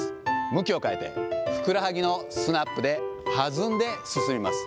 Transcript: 向きを変えて、ふくらはぎのスナップで弾んで進みます。